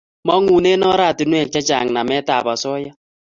Mangune oratinwek che chang namet ab asoya